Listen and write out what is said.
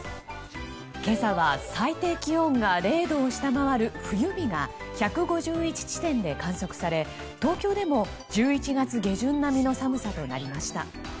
今朝は最低気温が０度を下回る冬日が１５１地点で観測され東京でも１１月下旬並みの寒さとなりました。